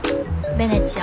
ベネチア？